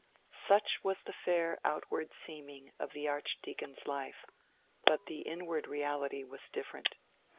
Such was the fair outward seeming of the Archdeacon's life; but, the inward reality was different.